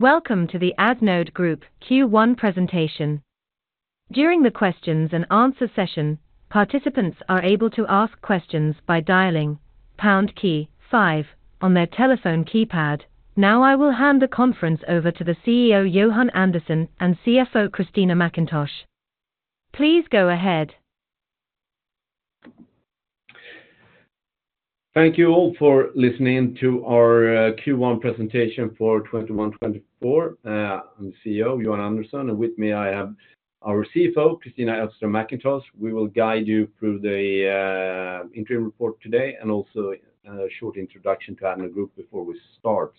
Welcome to the Addnode Group Q1 presentation. During the questions and answers session, participants are able to ask questions by dialing pound key five on their telephone keypad. Now, I will hand the conference over to the CEO, Johan Andersson, and CFO, Kristina Elfström Mackintosh. Please go ahead. Thank you all for listening to our Q1 presentation for 2024. I'm CEO Johan Andersson, and with me, I have our CFO Kristina Elfström Mackintosh. We will guide you through the interim report today and also a short introduction to Addnode Group before we start.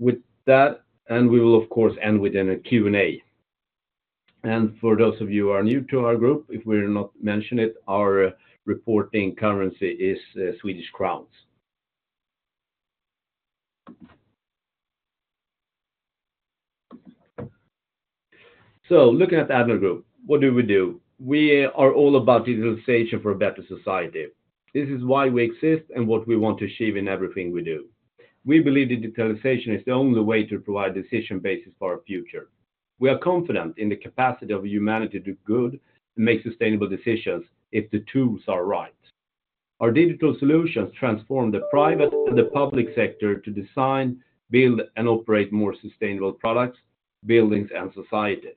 With that, we will, of course, end with a Q&A. For those of you who are new to our group, if we've not mentioned it, our reporting currency is Swedish Krona. Looking at the Addnode Group, what do we do? We are all about digitalization for a better society. This is why we exist and what we want to achieve in everything we do. We believe digitalization is the only way to provide decision basis for our future. We are confident in the capacity of humanity to do good and make sustainable decisions if the tools are right. Our digital solutions transform the private and the public sector to design, build, and operate more sustainable products, buildings, and societies.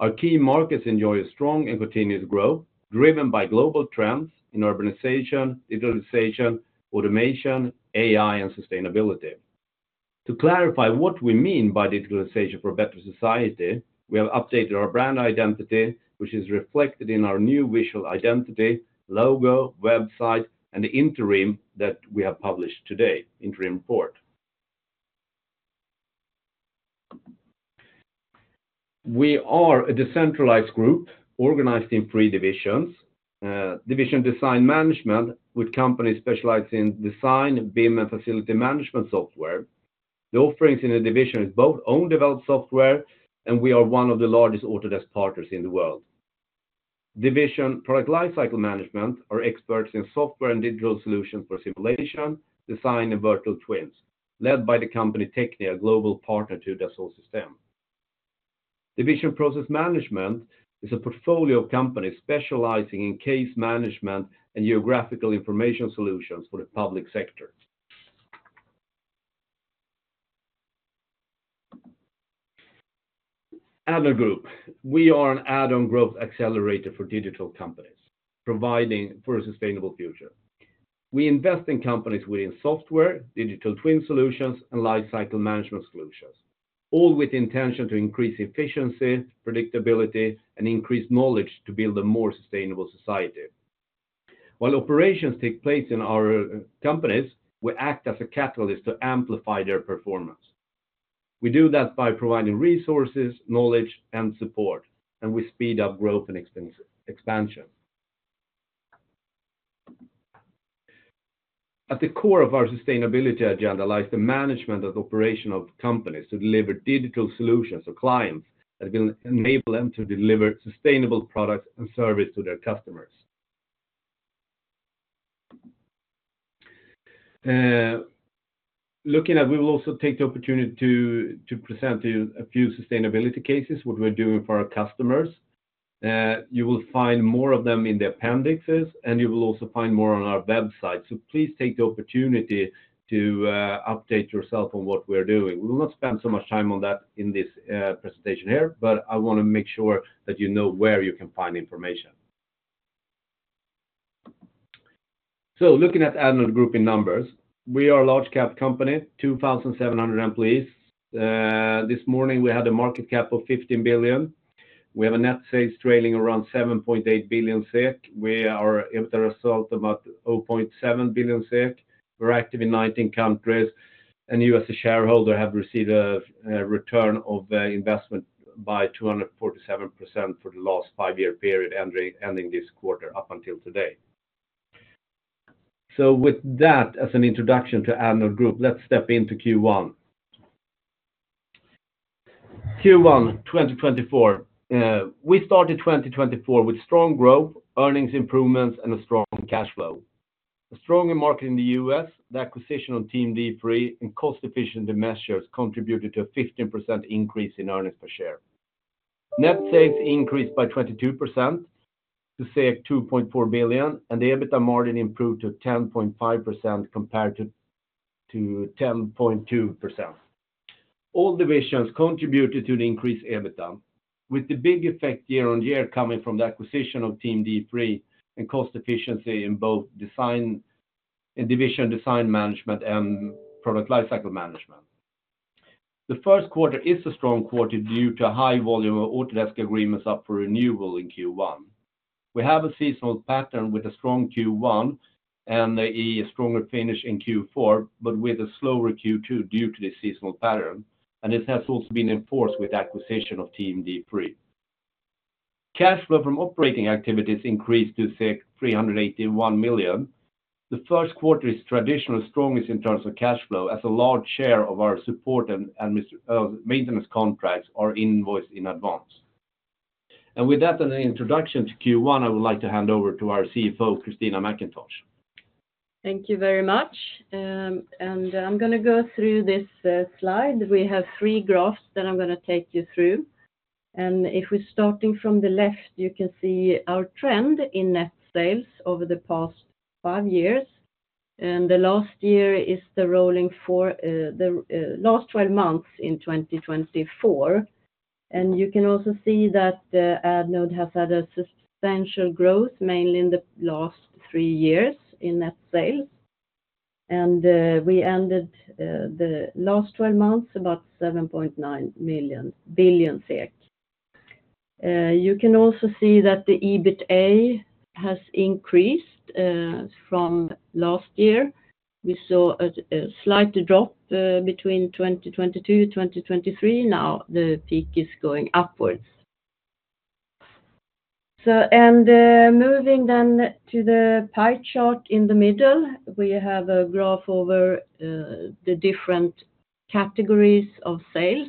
Our key markets enjoy a strong and continuous growth, driven by global trends in urbanization, digitalization, automation, AI, and sustainability. To clarify what we mean by digitalization for a better society, we have updated our brand identity, which is reflected in our new visual identity, logo, website, and the interim that we have published today, interim report. We are a decentralized group organized in three divisions. Division Design Management, with companies specializing in design, BIM, and facility management software. The offerings in the division is both own developed software, and we are one of the largest Autodesk partners in the world. Division Product Lifecycle Management are experts in software and digital solutions for simulation, design, and virtual twins, led by the company TECHNIA, a global partner to Dassault Systèmes. Division Process Management is a portfolio of companies specializing in case management and geographical information solutions for the public sector. Addnode Group, we are an add-on growth accelerator for digital companies, providing for a sustainable future. We invest in companies within software, digital twin solutions, and lifecycle management solutions, all with intention to increase efficiency, predictability, and increase knowledge to build a more sustainable society. While operations take place in our companies, we act as a catalyst to amplify their performance. We do that by providing resources, knowledge, and support, and we speed up growth and expansion. At the core of our sustainability agenda lies the management of the operation of companies to deliver digital solutions to clients that will enable them to deliver sustainable products and service to their customers. Looking at, we will also take the opportunity to present to you a few sustainability cases, what we're doing for our customers. You will find more of them in the appendices, and you will also find more on our website. So please take the opportunity to update yourself on what we're doing. We will not spend so much time on that in this presentation here, but I want to make sure that you know where you can find information. So looking at Addnode Group in numbers, we are a large cap company, 2,700 employees. This morning, we had a market cap of 15 billion. We have net sales trailing around 7.8 billion SEK. We are EBITDA result about 0.7 billion SEK. We're active in 19 countries, and you, as a shareholder, have received a, a return of investment by 247% for the last five year period, ending, ending this quarter, up until today. So with that, as an introduction to Addnode Group, let's step into Q1. Q1, 2024. We started 2024 with strong growth, earnings improvements, and a strong cash flow. A stronger market in the U.S., the acquisition of Team D3, and cost-efficient measures contributed to a 15% increase in earnings per share. Net sales increased by 22% to 2.4 billion, and the EBITDA margin improved to 10.5% compared to, to 10.2%. All divisions contributed to the increased EBITDA, with the big effect year-on-year coming from the acquisition of Team D3 and cost efficiency in both design management and product lifecycle management. The first quarter is a strong quarter due to a high volume of Autodesk agreements up for renewal in Q1. We have a seasonal pattern with a strong Q1 and a stronger finish in Q4, but with a slower Q2 due to the seasonal pattern, and this has also been enforced with acquisition of Team D3. Cash flow from operating activities increased to 381 million. The first quarter is traditionally strongest in terms of cash flow, as a large share of our support and maintenance contracts are invoiced in advance. With that as an introduction to Q1, I would like to hand over to our CFO, Kristina Elfström Mackintosh. Thank you very much, and I'm gonna go through this slide. We have three graphs that I'm gonna take you through. If we're starting from the left, you can see our trend in net sales over the past five years, and the last year is the rolling 12 months in 2024. You can also see that the Addnode has had a substantial growth, mainly in the last three years in net sales. We ended the last 12 months about 7.9 billion SEK. You can also see that the EBITDA has increased from last year. We saw a slight drop between 2022 to 2023. Now, the peak is going upwards. So, moving then to the pie chart in the middle, we have a graph over the different categories of sales.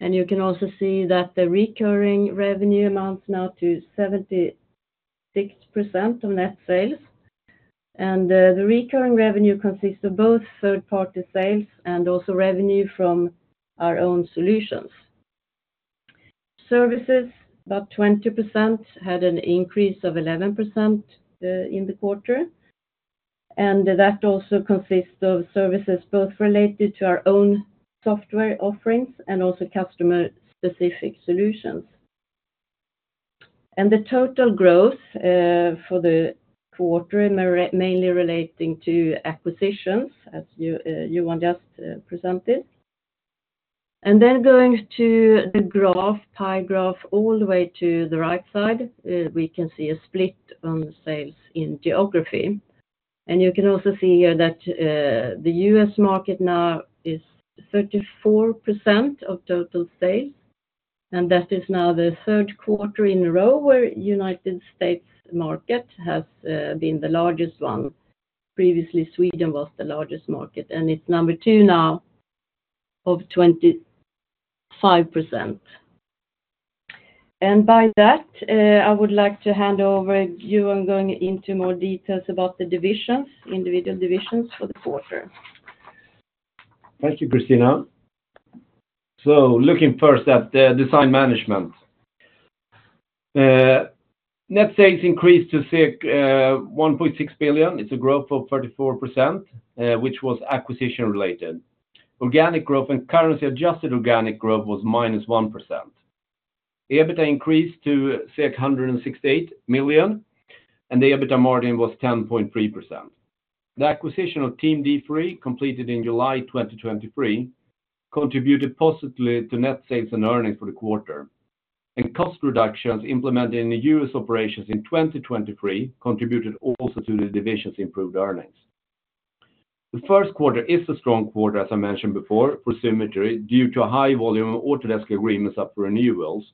And you can also see that the recurring revenue amounts now to 76% of net sales. And the recurring revenue consists of both third-party sales and also revenue from our own solutions. Services, about 20%, had an increase of 11% in the quarter. And that also consists of services both related to our own software offerings and also customer-specific solutions. And the total growth for the quarter, mainly relating to acquisitions, as you just presented. And then going to the graph, pie graph, all the way to the right side, we can see a split on sales in geography. You can also see here that the U.S. market now is 34% of total sales, and that is now the third quarter in a row where United States market has been the largest one. Previously, Sweden was the largest market, and it's number two now of 25%. By that, I would like to hand over you, and going into more details about the divisions, individual divisions for the quarter. Thank you, Kristina. So looking first at the Design Management. Net sales increased to 1.6 billion. It's a growth of 34%, which was acquisition-related. Organic growth and currency-adjusted organic growth was -1%. The EBITDA increased to 668 million, and the EBITDA margin was 10.3%. The acquisition of Team D3, completed in July 2023, contributed positively to net sales and earnings for the quarter, and cost reductions implemented in the U.S. operations in 2023 contributed also to the division's improved earnings. The first quarter is a strong quarter, as I mentioned before, for Symetri, due to a high volume of Autodesk agreements up for renewals.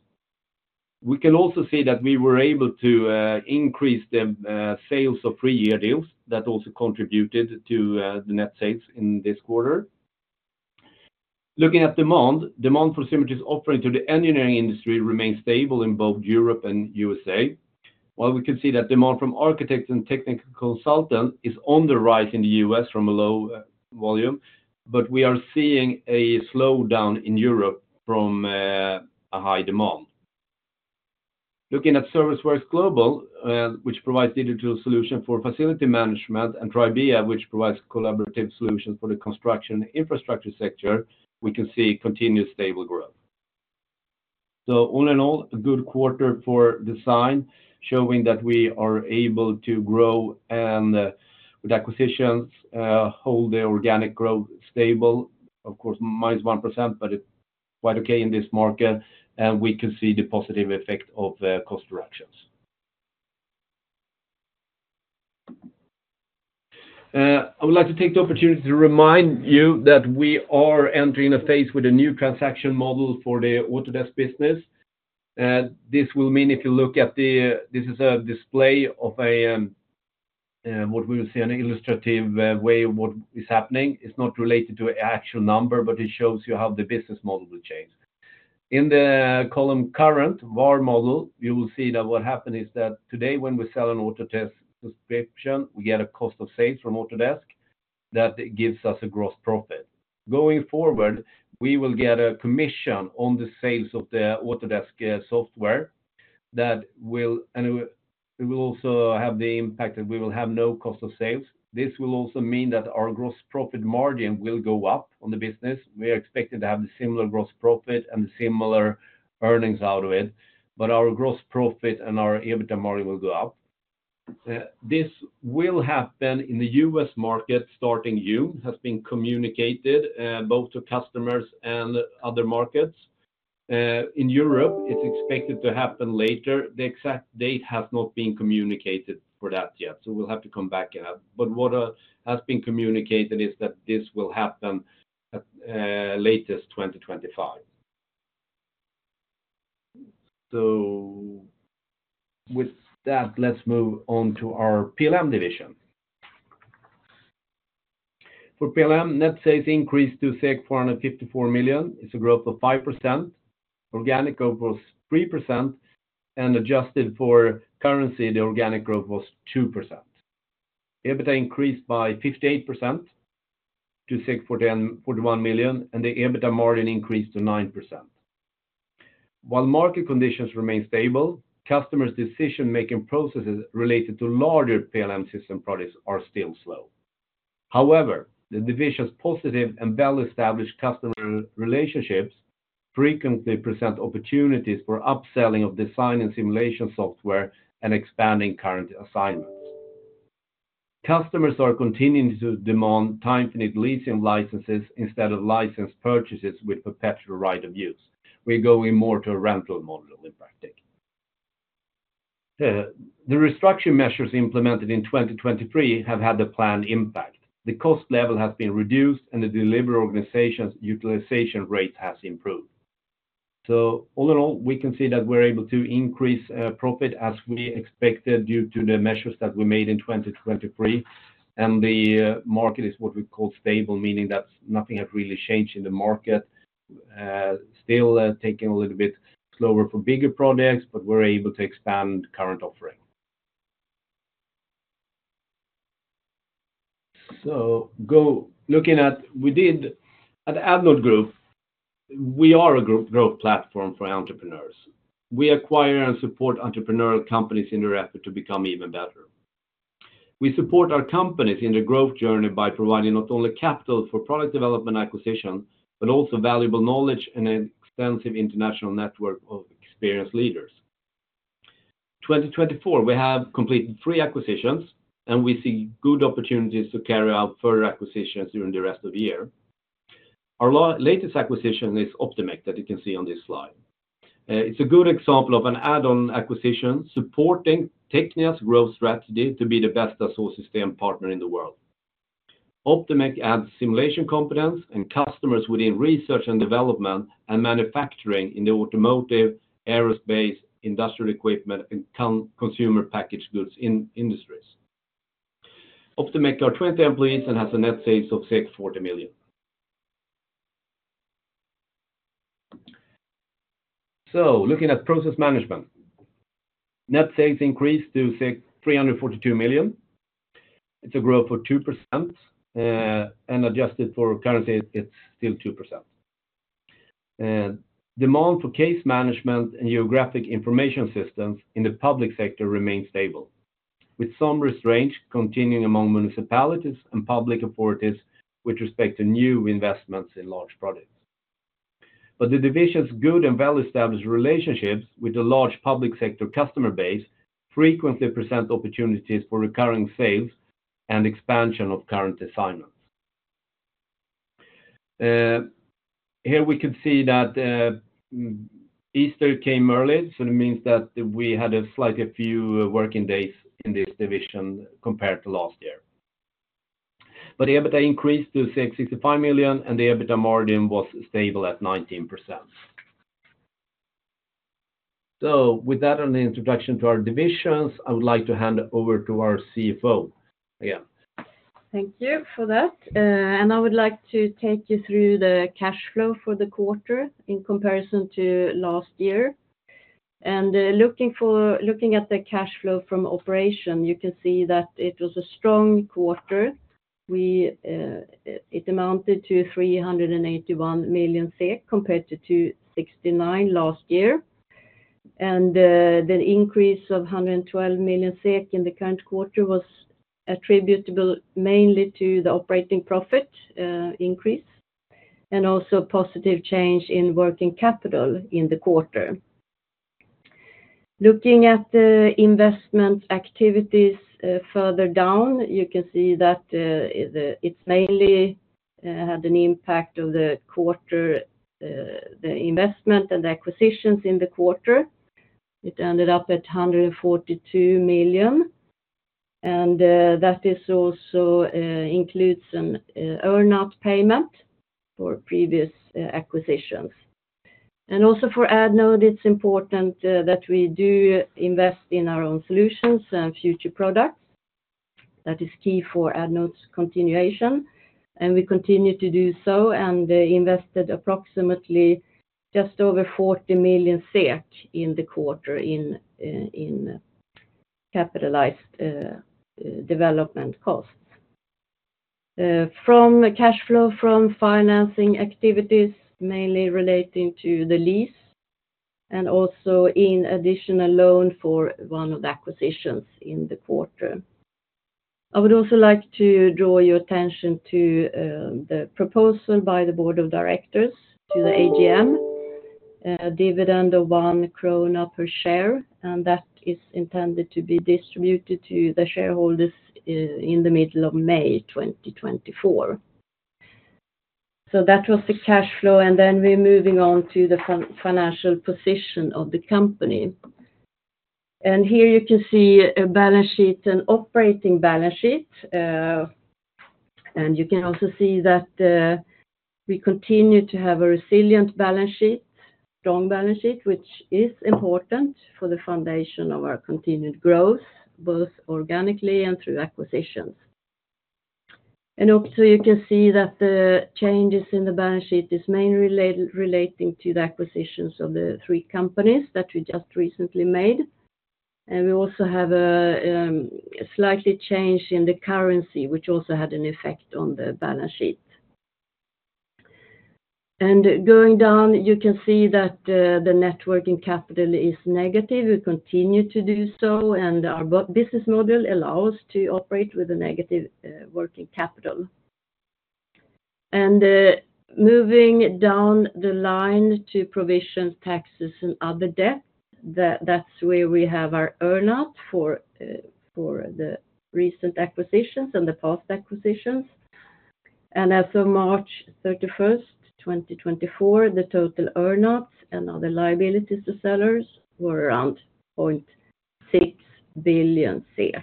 We can also see that we were able to increase the sales of three year deals. That also contributed to the net sales in this quarter. Looking at demand, demand for Symetri's offering to the engineering industry remains stable in both Europe and USA. While we can see that demand from architects and technical consultant is on the rise in the U.S. from a low volume, but we are seeing a slowdown in Europe from a high demand. Looking at Service Works Global, which provides digital solution for facility management, and Tribia, which provides collaborative solutions for the construction infrastructure sector, we can see continuous stable growth. So all in all, a good quarter for design, showing that we are able to grow and, with acquisitions, hold the organic growth stable. Of course, -1%, but it's quite okay in this market, and we can see the positive effect of the cost reductions. I would like to take the opportunity to remind you that we are entering a phase with a new transaction model for the Autodesk business. This will mean if you look at the, this is a display of a, what we will see, an illustrative way of what is happening. It's not related to an actual number, but it shows you how the business model will change. In the column current VAR model, you will see that what happened is that today, when we sell an Autodesk subscription, we get a cost of sales from Autodesk that gives us a gross profit. Going forward, we will get a commission on the sales of the Autodesk software, that will and it will also have the impact that we will have no cost of sales. This will also mean that our gross profit margin will go up on the business. We are expected to have the similar gross profit and similar earnings out of it, but our gross profit and our EBITDA margin will go up. This will happen in the U.S. market, starting June, has been communicated, both to customers and other markets. In Europe, it's expected to happen later. The exact date has not been communicated for that yet, so we'll have to come back. But what has been communicated is that this will happen, latest 2025. So with that, let's move on to our PLM division. For PLM, net sales increased to 454 million. It's a growth of 5%, organic growth was 3%, and adjusted for currency, the organic growth was 2%. EBITDA increased by 58% to 6.41 million, and the EBITDA margin increased to 9%. While market conditions remain stable, customer's decision-making processes related to larger PLM system products are still slow. However, the division's positive and well-established customer relationships frequently present opportunities for upselling of design and simulation software and expanding current assignments. Customers are continuing to demand time-finite leasing licenses instead of license purchases with perpetual right of use. We're going more to a rental model, in practice. The restructure measures implemented in 2023 have had the planned impact. The cost level has been reduced, and the delivery organization's utilization rate has improved. So all in all, we can see that we're able to increase profit as we expected due to the measures that we made in 2023, and the market is what we call stable, meaning that nothing has really changed in the market. Still, taking a little bit slower for bigger projects, but we're able to expand current offering. Looking at within, at the Addnode Group, we are a growth platform for entrepreneurs. We acquire and support entrepreneurial companies in their effort to become even better. We support our companies in the growth journey by providing not only capital for product development acquisition, but also valuable knowledge and an extensive international network of experienced leaders. 2024, we have completed three acquisitions, and we see good opportunities to carry out further acquisitions during the rest of the year. Our latest acquisition is Optimec, that you can see on this slide. It's a good example of an add-on acquisition, supporting TECHNIA's growth strategy to be the best Dassault Systèmes partner in the world. Optimec adds simulation competence and customers within research and development, and manufacturing in the automotive, aerospace, industrial equipment, and consumer packaged goods industries. Optimec are 20 employees and has a net sales of 64 million. So looking at Process Management. Net sales increased to 634.2 million. It's a growth of 2%, and adjusted for currency, it's still 2%. Demand for case management and geographic information systems in the public sector remain stable, with some restraint continuing among municipalities and public authorities with respect to new investments in large products. But the division's good and well-established relationships with the large public sector customer base frequently present opportunities for recurring sales and expansion of current assignments. Here we can see that Easter came early, so it means that we had a slightly few working days in this division compared to last year. But the EBITDA increased to 665 million, and the EBITDA margin was stable at 19%. So with that on the introduction to our divisions, I would like to hand over to our CFO, again. Thank you for that. I would like to take you through the cash flow for the quarter in comparison to last year. Looking at the cash flow from operation, you can see that it was a strong quarter. It amounted to 381 million SEK, compared to 269 million last year. The increase of 112 million SEK in the current quarter was attributable mainly to the operating profit increase, and also positive change in working capital in the quarter. Looking at the investment activities further down, you can see that it's mainly had an impact of the quarter, the investment and acquisitions in the quarter. It ended up at 142 million, and that also includes an earn-out payment for previous acquisitions. Also for Addnode, it's important that we do invest in our own solutions and future products. That is key for Addnode's continuation, and we continue to do so, and invested approximately just over 40 million SEK in the quarter in capitalized development costs. From the cash flow, from financing activities, mainly relating to the lease, and also in additional loan for one of the acquisitions in the quarter. I would also like to draw your attention to the proposal by the board of directors to the AGM, dividend of 1 krona per share, and that is intended to be distributed to the shareholders in the middle of May 2024. So that was the cash flow, and then we're moving on to the financial position of the company. Here you can see a balance sheet, an operating balance sheet, and you can also see that we continue to have a resilient balance sheet, strong balance sheet, which is important for the foundation of our continued growth, both organically and through acquisitions. And also you can see that the changes in the balance sheet is mainly related, relating to the acquisitions of the three companies that we just recently made. And we also have a slightly change in the currency, which also had an effect on the balance sheet. And going down, you can see that the net working capital is negative. We continue to do so, and our business model allows to operate with a negative working capital. Moving down the line to provisions, taxes and other debt, that's where we have our earnout for the recent acquisitions and the past acquisitions. As of March 31st, 2024, the total earnouts and other liabilities to sellers were around 0.6 billion SEK.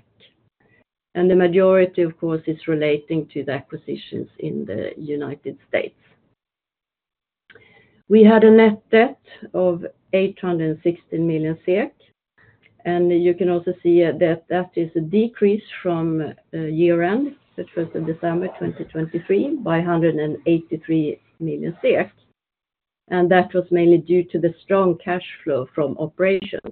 The majority, of course, is relating to the acquisitions in the United States. We had a net debt of 816 million SEK, and you can also see that that is a decrease from year-end, which was in December 2023, by 183 million, and that was mainly due to the strong cash flow from operations.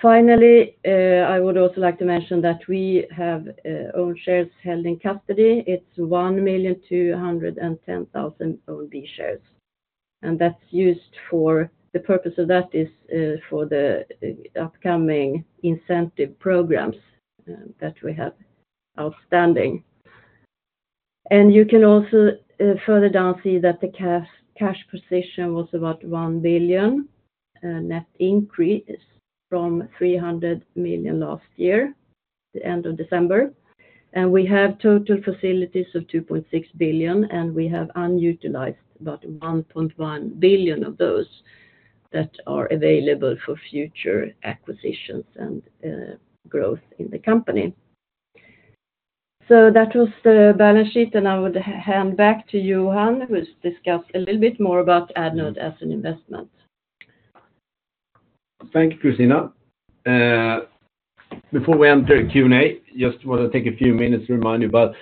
Finally, I would also like to mention that we have own shares held in custody. It's 1,210,000 own B-shares, and that's used for the purpose of that is for the upcoming incentive programs that we have outstanding. And you can also further down see that the cash position was about 1 billion, net increase from 300 million last year, the end of December. And we have total facilities of 2.6 billion, and we have unutilized about 1.1 billion of those that are available for future acquisitions and growth in the company. So that was the balance sheet, and I would hand back to Johan, who's discussed a little bit more about Addnode as an investment. Thank you, Kristina. Before we enter Q&A, just want to take a few minutes to remind you about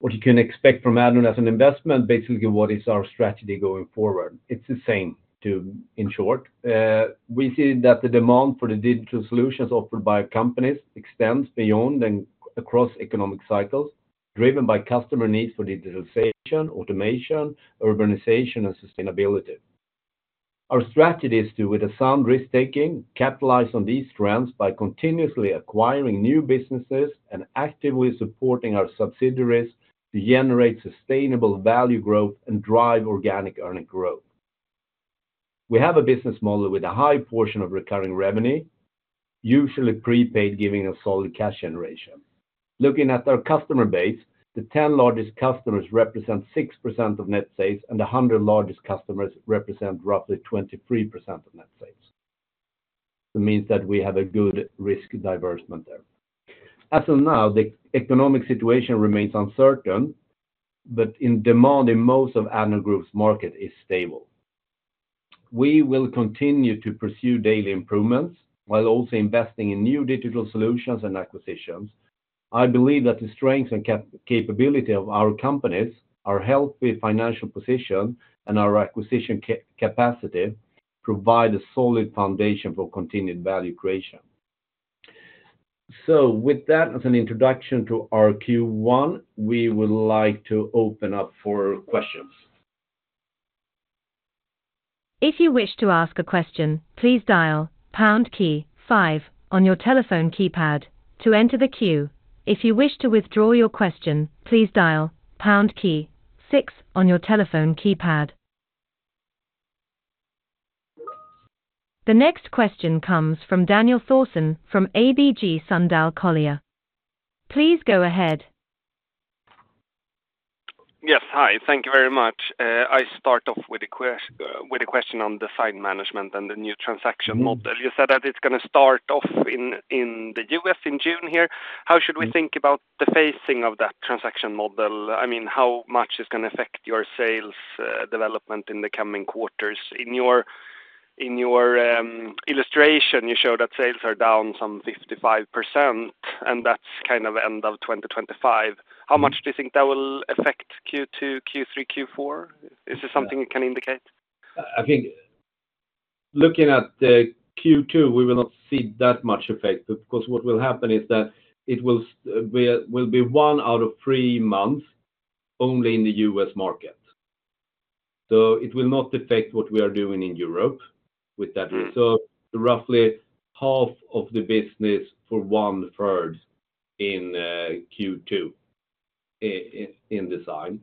what you can expect from Addnode as an investment, basically, what is our strategy going forward. It's the same to, in short. We see that the demand for the digital solutions offered by our companies extends beyond and across economic cycles, driven by customer needs for digitalization, automation, urbanization, and sustainability. Our strategy is to, with a sound risk-taking, capitalize on these trends by continuously acquiring new businesses and actively supporting our subsidiaries to generate sustainable value growth and drive organic earning growth. We have a business model with a high portion of recurring revenue, usually prepaid, giving a solid cash generation. Looking at our customer base, the 10 largest customers represent 6% of net sales, and the 100 largest customers represent roughly 23% of net sales. It means that we have a good risk diversification there. As of now, the economic situation remains uncertain, but demand in most of Addnode Group's markets is stable. We will continue to pursue daily improvements while also investing in new digital solutions and acquisitions. I believe that the strength and capability of our companies, our healthy financial position, and our acquisition capacity provide a solid foundation for continued value creation. So with that as an introduction to our Q1, we would like to open up for questions. If you wish to ask a question, please dial pound key five on your telephone keypad to enter the queue. If you wish to withdraw your question, please dial pound key six on your telephone keypad. The next question comes from Daniel Thorsson, from ABG Sundal Collier. Please go ahead. Yes, hi. Thank you very much. I start off with a question on the Design Management and the new transaction model. You said that it's going to start off in the U.S. in June here. How should we think about the phasing of that transaction model? I mean, how much it's going to affect your sales development in the coming quarters? In your illustration, you show that sales are down some 55%, and that's kind of end of 2025. How much do you think that will affect Q2, Q3, Q4? Is there something you can indicate? I think, looking at the Q2, we will not see that much effect, because what will happen is that it will be one out of three months only in the U.S. market. So it will not affect what we are doing in Europe with that. So roughly half of the business for one third in Q2 in design.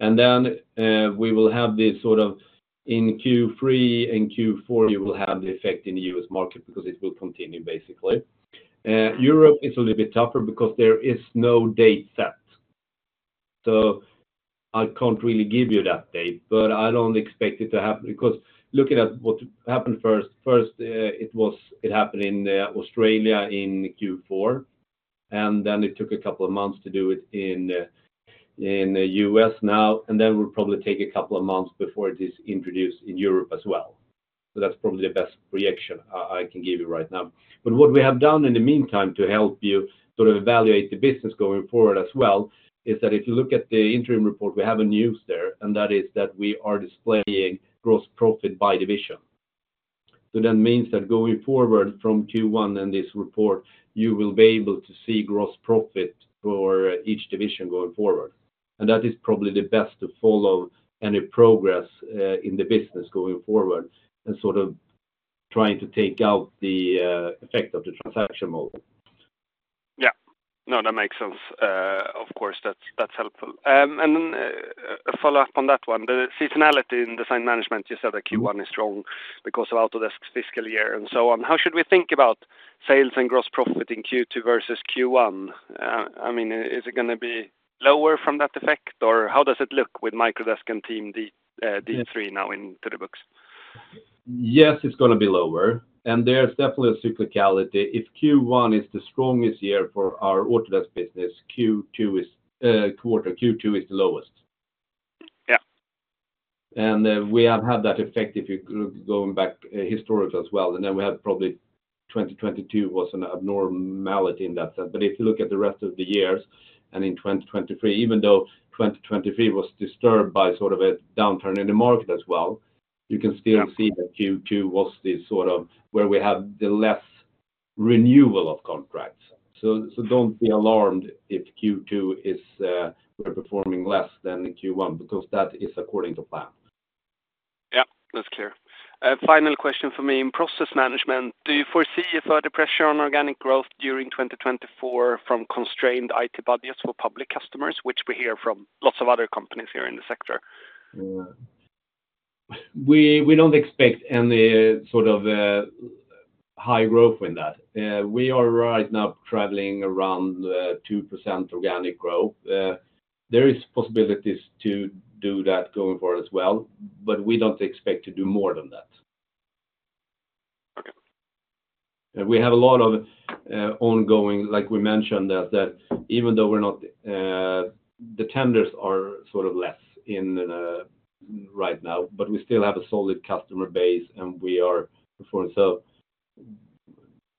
And then we will have this sort of in Q3 and Q4, you will have the effect in the U.S. market because it will continue, basically. Europe is a little bit tougher because there is no date set, so I can't really give you that date, but I don't expect it to happen, because looking at what happened first, it happened in Australia in Q4. And then it took a couple of months to do it in, in the U.S. now, and then it will probably take a couple of months before it is introduced in Europe as well. So that's probably the best reaction I, I can give you right now. But what we have done in the meantime to help you sort of evaluate the business going forward as well, is that if you look at the interim report, we have a news there, and that is that we are displaying gross profit by division. So that means that going forward from Q1 in this report, you will be able to see gross profit for each division going forward. And that is probably the best to follow any progress, in the business going forward and sort of trying to take out the, effect of the transaction model. Yeah. No, that makes sense. Of course, that's, that's helpful. And a follow-up on that one. The seasonality in Design Management, you said that Q1 is strong because of Autodesk's fiscal year and so on. How should we think about sales and gross profit in Q2 versus Q1? I mean, is it gonna be lower from that effect, or how does it look with Microdesk and Team D3 now into the books? Yes, it's gonna be lower, and there's definitely a cyclicality. If Q1 is the strongest year for our Autodesk business, Q2 is the lowest. Yeah. We have had that effect if you go, going back, historically as well, and then we had probably 2022 was an abnormality in that sense. But if you look at the rest of the years, and in 2023, even though 2023 was disturbed by sort of a downturn in the market as well, you can still. Yeah See that Q2 was the sort of where we have the less renewal of contracts. So, so don't be alarmed if Q2 is, we're performing less than in Q1, because that is according to plan. Yeah, that's clear. Final question for me. In process management, do you foresee further pressure on organic growth during 2024 from constrained IT budgets for public customers, which we hear from lots of other companies here in the sector? We don't expect any sort of high growth in that. We are right now traveling around 2% organic growth. There is possibilities to do that going forward as well, but we don't expect to do more than that. We have a lot of ongoing. Like we mentioned, that even though we're not, the tenders are sort of less in right now, but we still have a solid customer base, and we are performing. So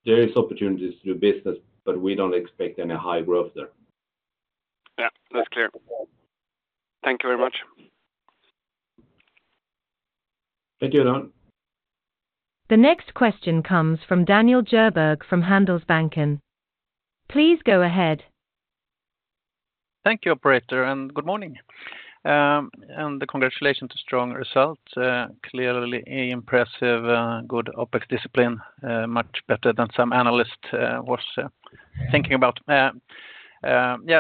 there is opportunities to do business, but we don't expect any high growth there. Yeah, that's clear. Thank you very much. Thank you, Ron. The next question comes from Daniel [Djurberg from Handelsbanken. Please go ahead. Thank you, operator, and good morning. And congratulations to strong results. Clearly impressive, good OpEx discipline, much better than some analysts was thinking about. Yeah,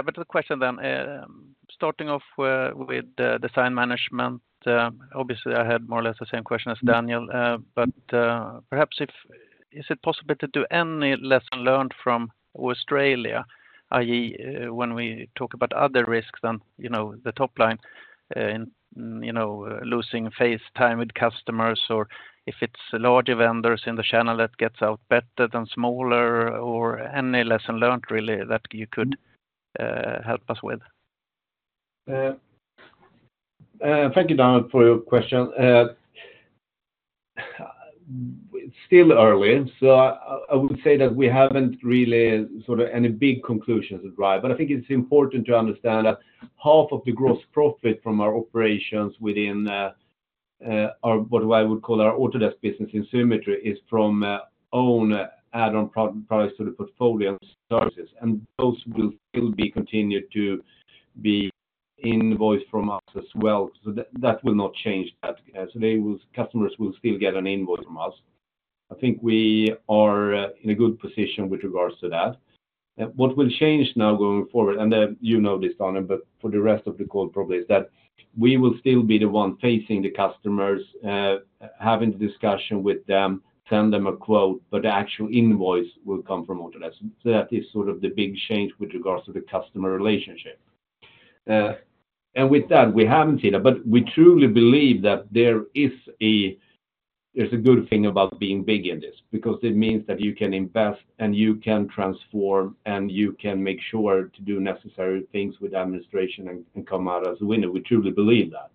but the question then, starting off, with Design Management, obviously I had more or less the same question as Daniel. But, perhaps, is it possible to do any lesson learned from Australia, i.e., when we talk about other risks than, you know, the top line, you know, losing face time with customers, or if it's larger vendors in the channel that gets out better than smaller, or any lesson learned, really, that you could. Mm-hmm Help us with? Thank you, Daniel, for your question. It's still early, so I, I would say that we haven't really sort of any big conclusions, right? But I think it's important to understand that half of the gross profit from our operations within our, what I would call our Autodesk business in Symetri, is from own add-on products to the portfolio services, and those will still be continued to be invoiced from us as well. So that, that will not change that. So they will, customers will still get an invoice from us. I think we are in a good position with regards to that. What will change now going forward, and then you know this, Daniel, but for the rest of the call, probably, is that we will still be the one facing the customers, having the discussion with them, send them a quote, but the actual invoice will come from Autodesk. So that is sort of the big change with regards to the customer relationship. And with that, we haven't seen it, but we truly believe that there's a good thing about being big in this, because it means that you can invest and you can transform, and you can make sure to do necessary things with administration and come out as a winner. We truly believe that.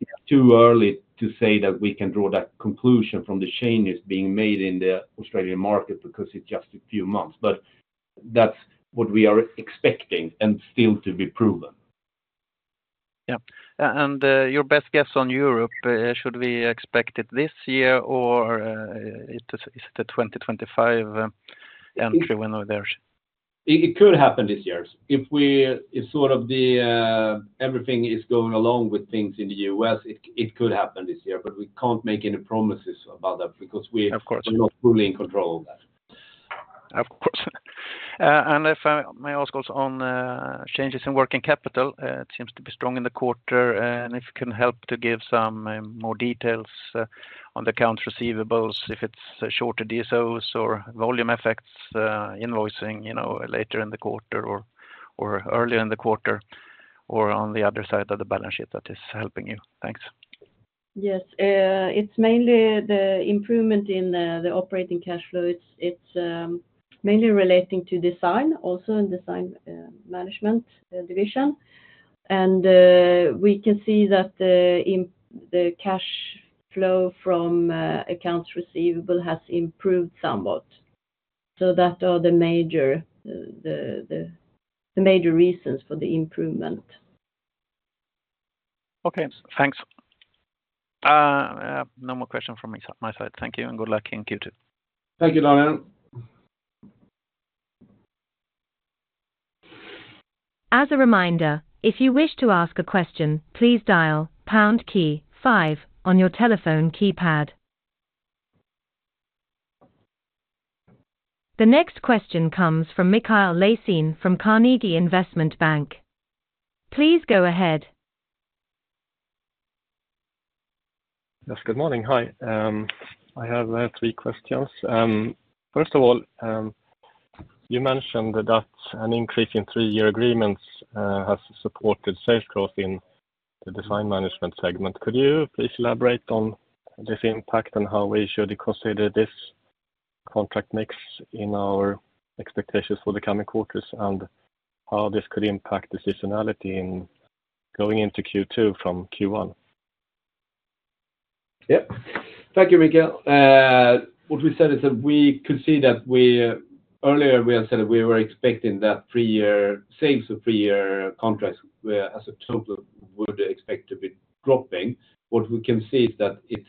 It's too early to say that we can draw that conclusion from the changes being made in the Australian market because it's just a few months. That's what we are expecting and still to be proven. Yeah. And your best guess on Europe: should we expect it this year, or is it the 2025 entry when out there? It could happen this year. If sort of the everything is going along with things in the U.S., it could happen this year, but we can't make any promises about that because we- Of course Are not fully in control of that. Of course. And if I may ask also on changes in working capital, it seems to be strong in the quarter, and if you can help to give some more details on the accounts receivables, if it's shorter DSOs or volume effects, invoicing, you know, later in the quarter or earlier in the quarter, or on the other side of the balance sheet that is helping you. Thanks. Yes, it's mainly the improvement in the operating cash flow. It's mainly relating to design, also in Design Management division. And we can see that the - the cash flow from accounts receivable has improved somewhat. So that are the major reasons for the improvement. Okay, thanks. I have no more question from my side. Thank you, and good luck in Q2. Thank you, Daniel. As a reminder, if you wish to ask a question, please dial pound key five on your telephone keypad. The next question comes from Mikael Laséen from Carnegie Investment Bank. Please go ahead. Yes, good morning. Hi. I have three questions. First of all, you mentioned that an increase in three year agreements has supported sales growth in the Design Management segment. Could you please elaborate on this impact, on how we should consider this contract mix in our expectations for the coming quarters, and how this could impact seasonality in going into Q2 from Q1? Yep. Thank you, Mikhail. What we said is that we could see that, earlier, we had said we were expecting that three year sales of three year contracts, whereas a total, would expect to be dropping. What we can see is that it's,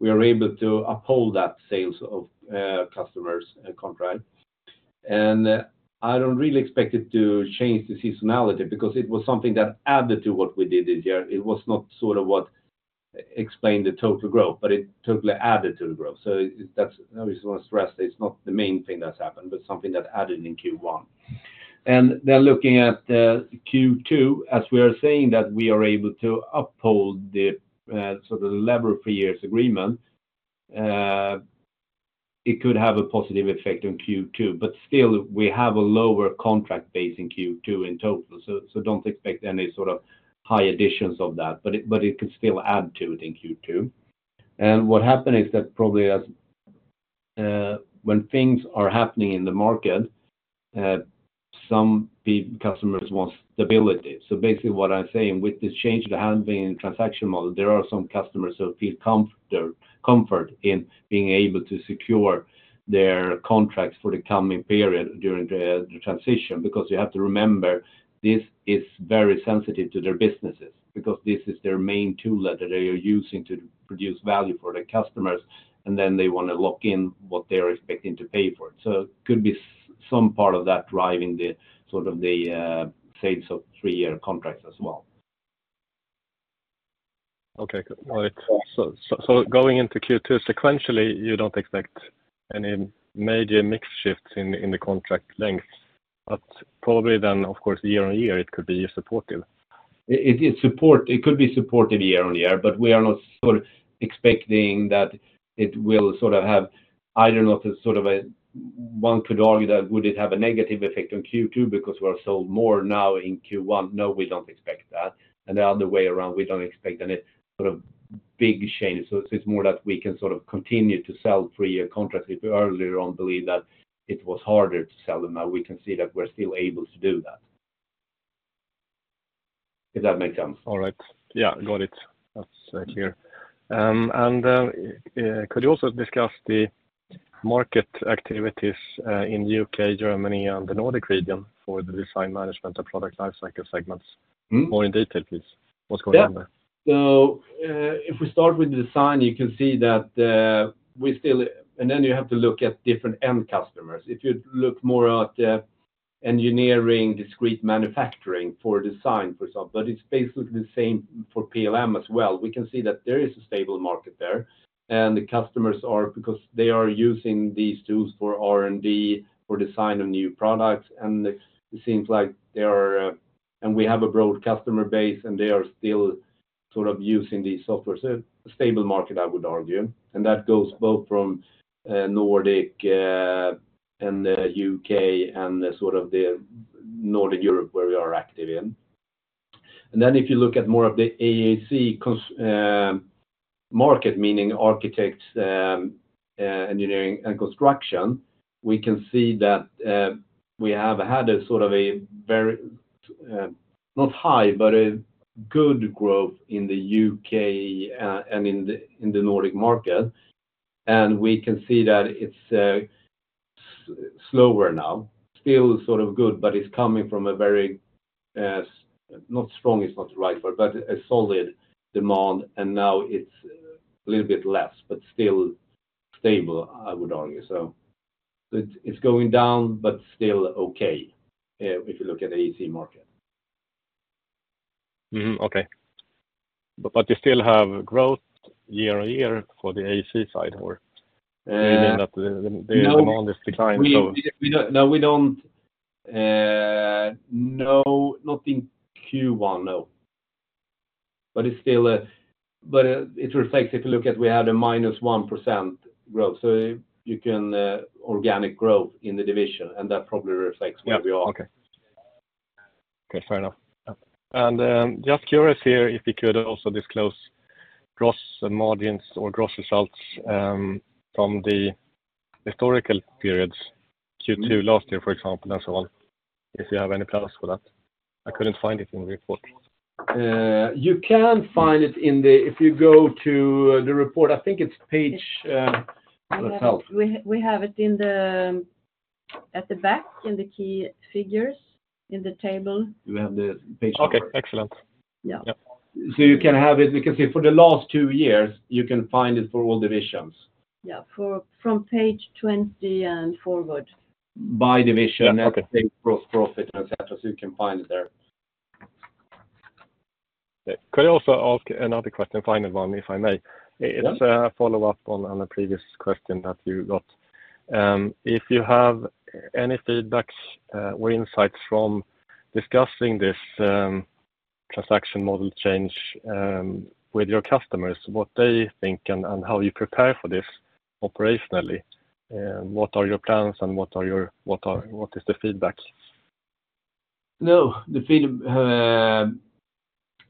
we are able to uphold that sales of customers contract. And I don't really expect it to change the seasonality because it was something that added to what we did this year. It was not sort of what explained the total growth, but it totally added to the growth. So that's, I just want to stress, it's not the main thing that's happened, but something that added in Q1. Then looking at Q2, as we are saying that we are able to uphold the sort of the level of three years agreement, it could have a positive effect on Q2, but still, we have a lower contract base in Q2 in total, so don't expect any sort of high additions of that, but it could still add to it in Q2. And what happened is that probably as when things are happening in the market, some big customers want stability. So basically, what I'm saying, with this change, the handling and transaction model, there are some customers who feel comfort in being able to secure their contracts for the coming period during the transition, because you have to remember, this is very sensitive to their businesses, because this is their main tool that they are using to produce value for their customers, and then they want to lock in what they are expecting to pay for it. So it could be some part of that driving the, sort of the, sales of three year contracts as well. Okay, good. So, going into Q2 sequentially, you don't expect any major mix shifts in the contract lengths, but probably then, of course, year-on-year, it could be supportive. It could be supported year-on-year, but we are not sort of expecting that it will sort of have, I don't know if it's sort of a, one could argue that would it have a negative effect on Q2 because we are sold more now in Q1? No, we don't expect that. And the other way around, we don't expect any sort of big change. So it's more that we can sort of continue to sell three-year contracts. If we earlier on believe that it was harder to sell them, now we can see that we're still able to do that. If that makes sense. All right. Yeah, got it. That's clear. And could you also discuss the market activities in U.K., Germany, and the Nordic region for the Design Management and product lifecycle segments? Mm-hmm. More in detail, please. What's going on there? Yeah. So, if we start with design, you can see that, we still. Then you have to look at different end customers. If you look more at the engineering, discrete manufacturing for design, for example, but it's basically the same for PLM as well. We can see that there is a stable market there, and the customers are, because they are using these tools for R&D, for design of new products, and it seems like they are, and we have a broad customer base, and they are still sort of using these software. So a stable market, I would argue, and that goes both from, Nordic, and the U.K., and the sort of the Nordic Europe, where we are active in. And then if you look at more of the AEC, so market, meaning architects, engineering and construction, we can see that we have had a sort of a very, not high, but a good growth in the U.K., and in the, in the Nordic market. And we can see that it's slower now. Still sort of good, but it's coming from a very, not strong is not the right word, but a solid demand, and now it's a little bit less, but still stable, I would argue. So it's, it's going down, but still okay, if you look at the AEC market. Mm-hmm. Okay. But, but you still have growth year-on-year for the AEC side or. Uh. Maybe that the demand is declining, so. We don't. No, we don't, no, not in Q1, no. But it's still, but, it reflects, if you look at, we had a minus 1% growth, so you can, organic growth in the division, and that probably reflects where we are. Yep. Okay. Okay, fair enough. Yeah. And, just curious here, if you could also disclose gross margins or gross results, from the historical periods, Q2 last year, for example, and so on, if you have any plans for that? I couldn't find it in the report. You can find it in the, if you go to the report, I think it's page, let's help. We have it at the back, in the key figures, in the table. We have the page. Okay, excellent. Yeah. So you can have it, because for the last two years, you can find it for all divisions. Yeah, from page 20 and forward. By division. Yeah, okay Gross profit, et cetera, so you can find it there. Okay. Could I also ask another question, final one, if I may? Yeah. It's a follow-up on a previous question that you got. If you have any feedbacks or insights from discussing this transaction model change with your customers, what they think and how you prepare for this operationally, what are your plans and what is the feedback? No, the feed.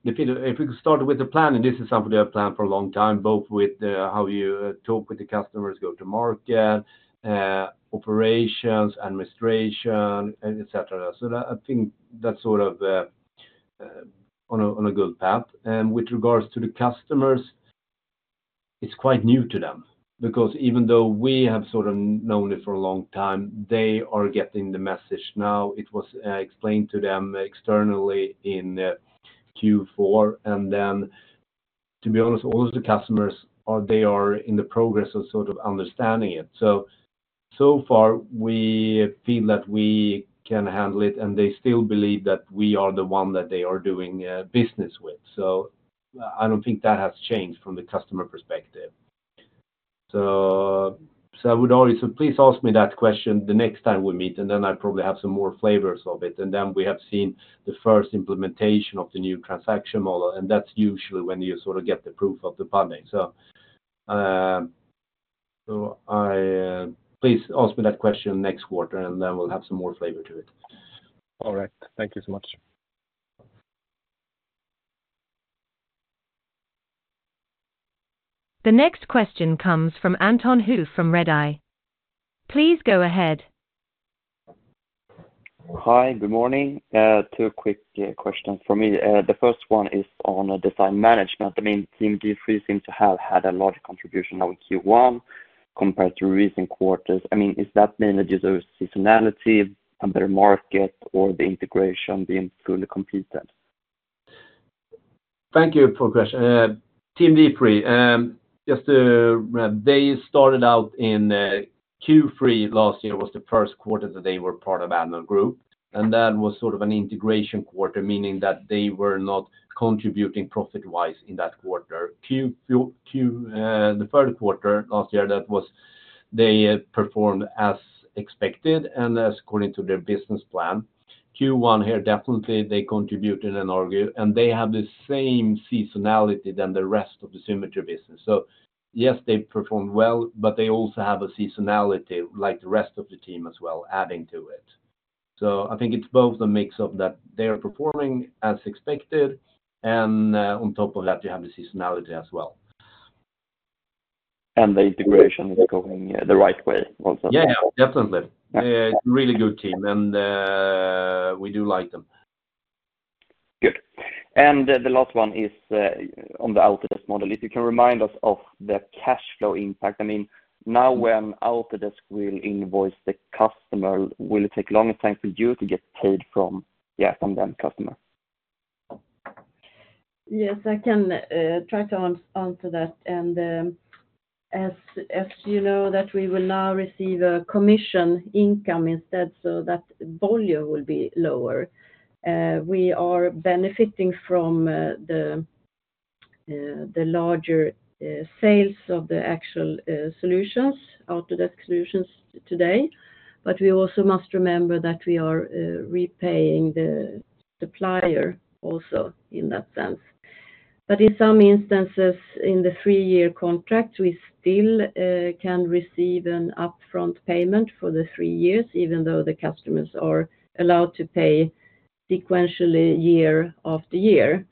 If we could start with the planning, this is something I've planned for a long time, both with how you talk with the customers, go to market, operations, administration, et cetera. So that, I think that's sort of on a good path. And with regards to the customers, it's quite new to them, because even though we have sort of known it for a long time, they are getting the message now. It was explained to them externally in Q4, and then, to be honest, all of the customers are, they are in the progress of sort of understanding it. So, so far, we feel that we can handle it, and they still believe that we are the one that they are doing business with. So I don't think that has changed from the customer perspective. So, I would always say, please ask me that question the next time we meet, and then I probably have some more flavors of it. Then we have seen the first implementation of the new transaction model, and that's usually when you sort of get the proof in the pudding. So, please ask me that question next quarter, and then we'll have some more flavor to it. All right. Thank you so much. The next question comes from Anton Hoof from RedEye. Please go ahead. Hi, good morning. Two quick questions for me. The first one is on Design Management. I mean, Team D3 seem to have had a large contribution now in Q1 compared to recent quarters. I mean, is that mainly due to seasonality, a better market, or the integration being fully completed? Thank you for the question. Team D3, they started out in Q3 last year, was the first quarter that they were part of Addnode Group, and that was sort of an integration quarter, meaning that they were not contributing profit-wise in that quarter. Q3, the third quarter last year, that was, they performed as expected and as according to their business plan. Q1 here, definitely, they contributed in Addnode Group, and they have the same seasonality than the rest of the Symetri business. So yes, they performed well, but they also have a seasonality like the rest of the team as well, adding to it. So I think it's both the mix of that they are performing as expected, and, on top of that, you have the seasonality as well. The integration is going, the right way also? Yeah, definitely. Really good team, and we do like them. Good. And the last one is on the Autodesk model. If you can remind us of the cash flow impact, I mean, now when Autodesk will invoice the customer, will it take longer time for you to get paid from, yeah, from them, customer? Yes, I can try to answer that. As you know, we will now receive a commission income instead, so that volume will be lower. We are benefiting from the larger sales of the actual solutions, Autodesk solutions today. But we also must remember that we are repaying the supplier also in that sense. But in some instances, in the three year contract, we still can receive an upfront payment for the three years, even though the customers are allowed to pay sequentially year after year.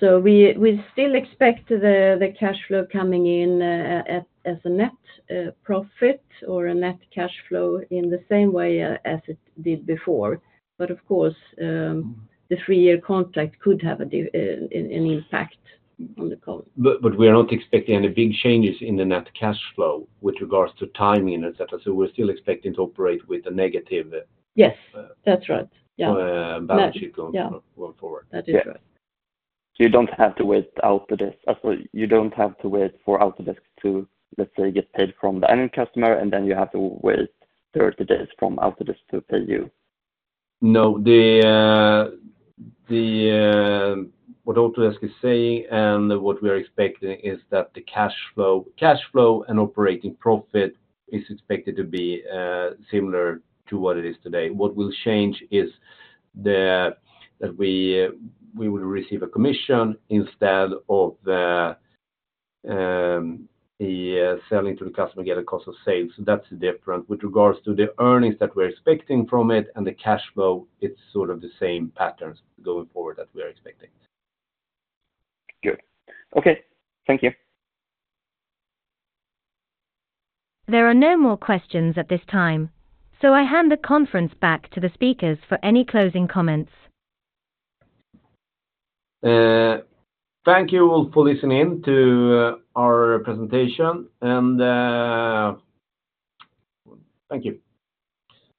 So we still expect the cash flow coming in as a net profit or a net cash flow in the same way as it did before. But of course, the three year contract could have an impact on the call. But we are not expecting any big changes in the net cash flow with regards to timing, et cetera. So we're still expecting to operate with a negative. Yes, that's right. Yeah. Balance sheet going, Yeah. Going forward. That is right. You don't have to wait for Autodesk. You don't have to wait for Autodesk to, let's say, get paid from the annual customer, and then you have to wait 30 days from Autodesk to pay you? No, what Autodesk is saying and what we are expecting is that the cash flow, cash flow and operating profit is expected to be similar to what it is today. What will change is that we will receive a commission instead of the selling to the customer, get a cost of sales. So that's the difference. With regards to the earnings that we're expecting from it and the cash flow, it's sort of the same patterns going forward that we are expecting. Good. Okay. Thank you. There are no more questions at this time, so I hand the conference back to the speakers for any closing comments. Thank you all for listening to our presentation, and thank you.